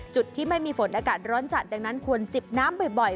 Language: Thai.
ที่ไม่มีฝนอากาศร้อนจัดดังนั้นควรจิบน้ำบ่อย